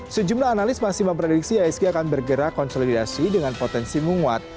sejumlah analis masih memprediksi isg akan bergerak konsolidasi dengan potensi menguat